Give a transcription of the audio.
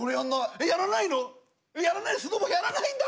えっやらないの！？やらないスノボやらないんだ！